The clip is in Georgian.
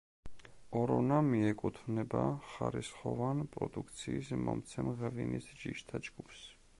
ორონა მიეკუთვნება ხარისხოვან პროდუქციის მომცემ ღვინის ჯიშთა ჯგუფს.